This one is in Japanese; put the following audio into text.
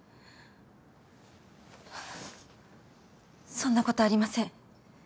そんなことありません。